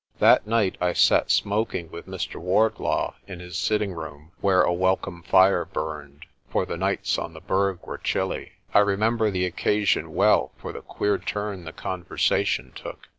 That night I sat smoking with Mr. Wardlaw in his sitting room where a welcome fire burned, for the nights on the Berg were chilly. I remember the occasion well for the queer turn the conversation took.